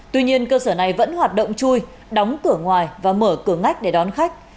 tuy nhiên cơ sở này vẫn hoạt động chui đóng cửa ngoài và mở cửa ngách để đón khách